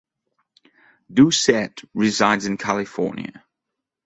Doucette resides in California.